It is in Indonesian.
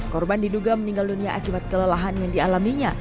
korban diduga meninggal dunia akibat kelelahan yang dialaminya